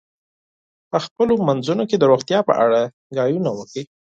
په خپلو منځونو کې د روغتیا په اړه خبرې وکړئ.